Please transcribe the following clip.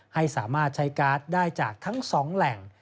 ให้สามารถใช้การ์ดได้จากทั้ง๒แหล่ง